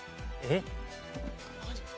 えっ？